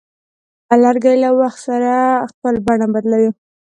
لرګی له وخت سره خپل بڼه بدلوي.